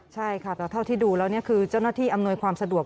ใช่ค่ะแต่เท่าที่ดูแล้วคือเจ้าหน้าที่อำนวยความสะดวก